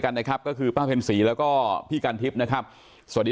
กันนะครับก็คือป้าเพ็ญศรีแล้วก็พี่กันทิพย์นะครับสวัสดี